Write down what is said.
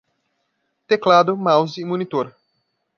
Teclado, mouse e monitor.